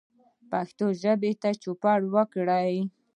پښتو ژبې ته چوپړ وکړئ